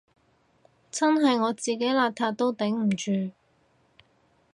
真係我自己邋遢都頂唔住